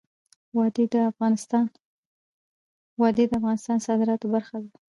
وادي د افغانستان د صادراتو برخه ده.